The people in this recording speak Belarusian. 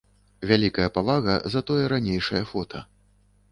Вялікая павага за тое ранейшае фота.